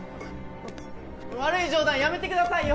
悪い冗談やめてくださいよ